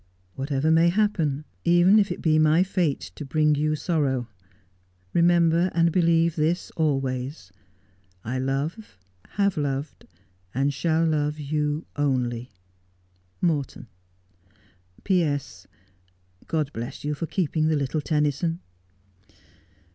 Whatever may happen, even if it be my fato to bring you sorrow, remember and believe this always — I love, have loved, and shall love you only. ' Morton. ' P.S. — God bless you for keeping the little Tennyson.'